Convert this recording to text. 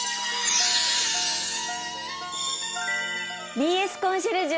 「ＢＳコンシェルジュ」。